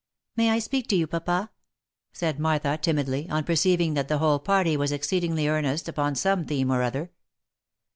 ." May I speak to you, papa ?" said Martha, timidly, on perceiving that the whole party were exceedingly earnest upon some theme or other.